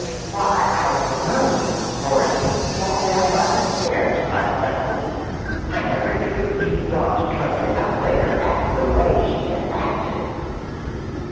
"Why, I supposed, of course, he walked down by the stairs," cried Freckles. "I never dreamed he'd want to trust the elevator after the way she had acted."